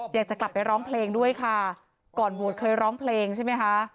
อยากจะกลับไปร้องเพลงด้วยค่ะก่อนโหวตเคยร้องเพลงใช่ไหมคะ